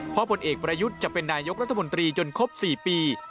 เพราะผลเอกประยุทธ์จะเป็นนายกรัฐมนตรีจนครบ๔ปี